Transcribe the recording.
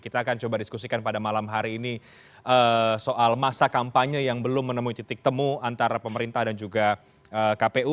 kita akan coba diskusikan pada malam hari ini soal masa kampanye yang belum menemui titik temu antara pemerintah dan juga kpu